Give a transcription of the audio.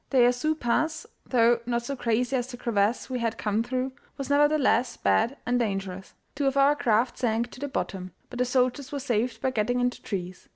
The Yazoo Pass, though not so crazy as the crevasse we had come through, was nevertheless bad and dangerous. Two of our craft sank to the bottom, but the soldiers were saved by getting into trees.